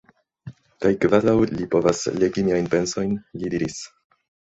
Kaj, kvazaŭ li povas legi miajn pensojn, li diris: